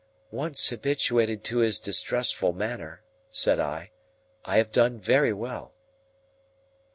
"Once habituated to his distrustful manner," said I, "I have done very well."